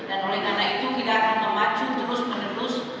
dan oleh karena itu kita akan memacu terus menerus